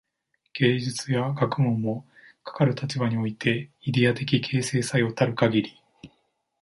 芸術や学問も、かかる立場においてイデヤ的形成作用たるかぎり、